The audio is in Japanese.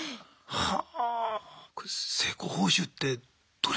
はあ！